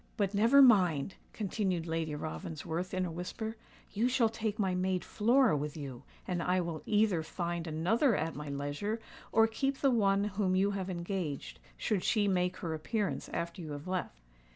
"But never mind," continued Lady Ravensworth, in a whisper; "you shall take my maid Flora with you, and I will either find another at my leisure, or keep the one whom you have engaged, should she make her appearance after you have left."